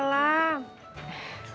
masih kayak gua nggak worse